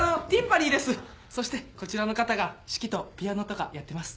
そしてこちらの方が指揮とピアノとかやってます。